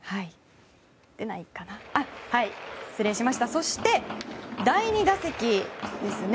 そして第２打席ですね。